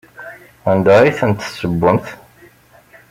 Anda ay tent-tessewwemt?